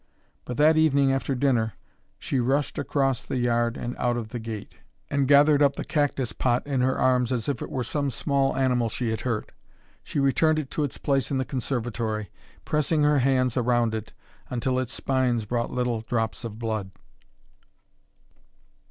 But that evening, after dinner, she rushed across the yard and out of the gate, and gathered up the cactus pot in her arms as if it were some small animal she had hurt. She returned it to its place in the conservatory, pressing her hands around it until its spines brought little drops of blood.